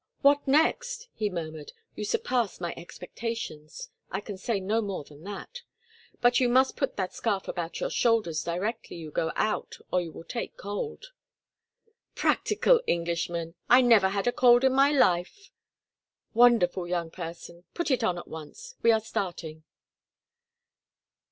"What next?" he murmured. "You surpass my expectations. I can say no more than that. But you must put that scarf about your shoulders directly you go out or you will take cold." "Practical Englishman! I never had a cold in my life." "Wonderful young person! Put it on at once. We are starting."